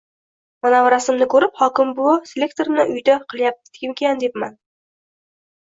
Manavi rasmni koʻrib, xokimbuvo selektorni uyida qilyaptimikin debman..